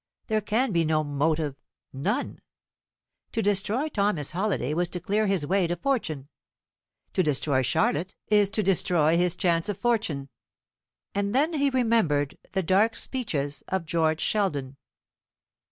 "There can be no motive none. To destroy Thomas Halliday was to clear his way to fortune; to destroy Charlotte is to destroy his chance of fortune." And then he remembered the dark speeches of George Sheldon.